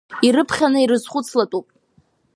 Ирыԥхьаны ирызхәыцлатәуп.